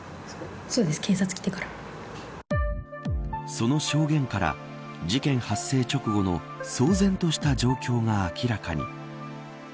その証言から事件発生直後の騒然とした状況が明らかに。